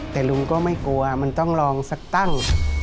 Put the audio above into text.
แต่ลุงก็ไม่กลัวมันต้องลองสักตั้ง